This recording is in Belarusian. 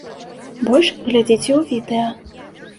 Больш глядзіце ў відэа.